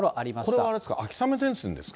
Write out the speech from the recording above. これはあれですか、秋雨前線ですか。